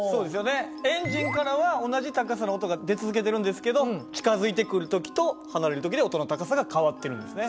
エンジンからは同じ高さの音が出続けてるんですけど近づいてくる時と離れる時で音の高さが変わってるんですね。